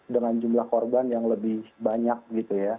dengan jumlah korban yang lebih banyak gitu ya